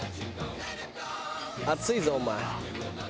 「熱いぞお前」